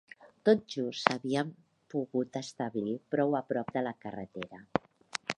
Tot just s'havien pogut establir prou a prop de la carretera